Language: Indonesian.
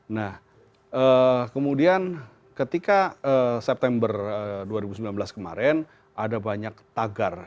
nah kemudian ketika september dua ribu sembilan belas kemarin ada banyak tagar